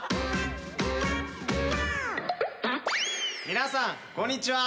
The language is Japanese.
皆さんこんにちは。